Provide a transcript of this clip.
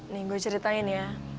nih gue ceritain ya